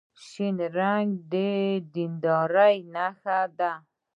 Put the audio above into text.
شنه رنګ د دیندارۍ نښه ده.